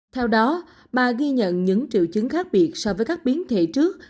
theo đó bà ghi nhận những triệu chứng khác biệt so với các biến thể trước